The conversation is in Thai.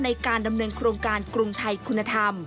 ในการดำเนินโครงการกรุงไทยคุณธรรม